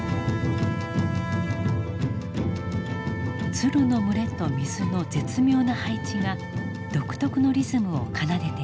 鶴の群れと水の絶妙な配置が独特のリズムを奏でています。